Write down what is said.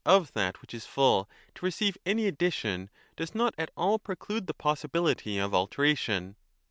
6 b DE MELISSO which is full to receive any addition does not at all preclude the possibility of alteration.